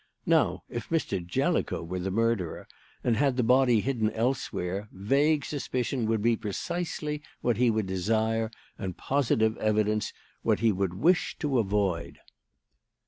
Now, if Mr. Jellicoe were the murderer and had the body hidden elsewhere, vague suspicion would be precisely what he would desire, and positive evidence what he would wish to avoid.